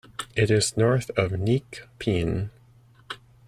It is north of Neak Pean.